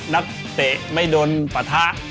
นักเตะไม่โดนปะทะ